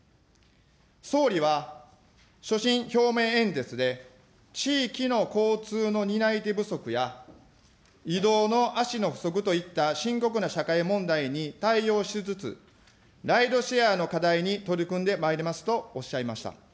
総理は所信表明演説で、地域の交通の担い手不足や、移動の足の不足といった深刻な社会問題に対応しつつ、ライドシェアの課題に取り組んでまいりますとおっしゃいました。